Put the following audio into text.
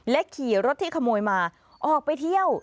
ขี่รถที่ขโมยมาออกไปเที่ยว